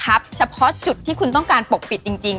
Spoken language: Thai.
คุณสามารถให้จะลงทับเฉพาะจุดที่คุณต้องการปกปิดจริง